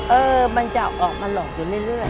เออมันจะออกมาหลอกอยู่เรื่อย